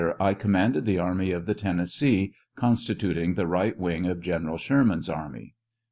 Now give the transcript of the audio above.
I commanded the army of the Tennessee, consti tuting the right wing of General Sherman's army.